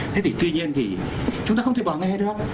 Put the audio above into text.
thế thì tuy nhiên thì chúng ta không thể bỏ nghe được